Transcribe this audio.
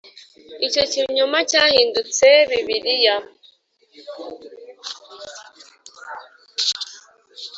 icyo kinyoma cyahindutse bibiliya